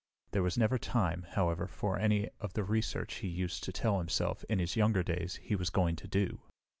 There was never time, however, for any of the research he used to tell himself, in his younger days, he was going to do.